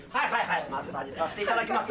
マッサージさせていただきます。